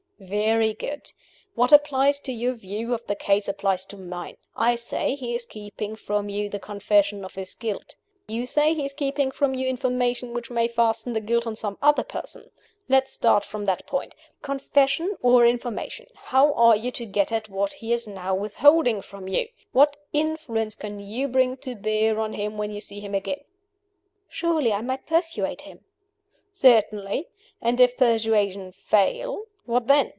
"Very good. What applies to your view of the case applies to mine. I say, he is keeping from you the confession of his guilt. You say, he is keeping from you information which may fasten the guilt on some other person. Let us start from that point. Confession, or information, how are you to get at what he is now withholding from you? What influence can you bring to bear on him when you see him again?" "Surely I might persuade him?" "Certainly. And if persuasion fail what then?